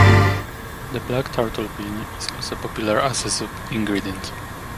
The black turtle bean is also popular as a soup ingredient.